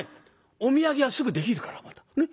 お土産はすぐできるからまた。